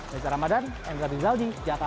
saya zahra madan enzal dizal di jakarta